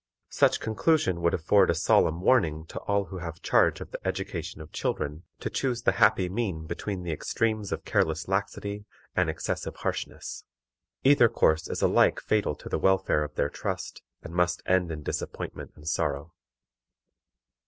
Such conclusion would afford a solemn warning to all who have charge of the education of children to choose the happy mean between the extremes of careless laxity and excessive harshness. Either course is alike fatal to the welfare of their trust, and must end in disappointment and sorrow.